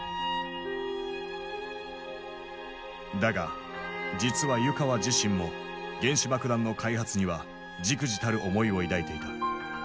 だが実は湯川自身も原子爆弾の開発には忸怩たる思いを抱いていた。